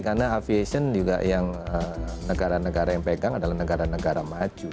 karena aviation juga yang negara negara yang pegang adalah negara negara maju